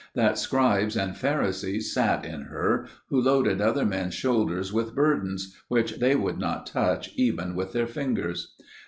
That scribes and pharisees sat in her, who loaded other mens' shoulders with burdens, which they would not touch even with their fingers.